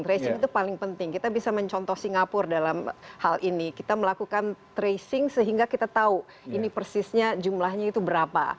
tracing itu paling penting kita bisa mencontoh singapura dalam hal ini kita melakukan tracing sehingga kita tahu ini persisnya jumlahnya itu berapa